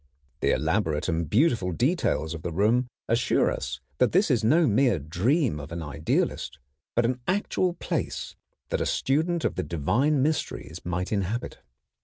The elaborate and beautiful details of the room assure us that this is no mere dream of an idealist, but an actual place that a student of the divine mysteries might inhabit.